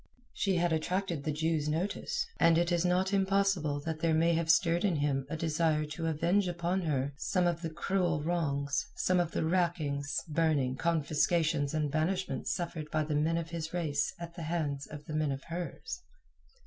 She had attracted the jew's notice, and it is not impossible that there may have stirred in him a desire to avenge upon her some of the cruel wrongs, some of the rackings, burning, confiscations, and banishment suffered by the men of his race at the hands of the men of hers.